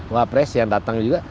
pak pres yang datang juga